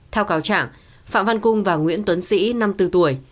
theo cáo trạng phạm văn cung và nguyễn tuấn sĩ năm mươi bốn tuổi